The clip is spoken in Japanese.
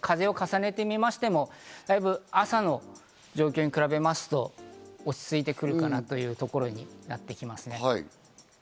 風を重ねて見ましても、だいぶ朝の状況に比べますと、落ち着いてくるかなというところになってきます。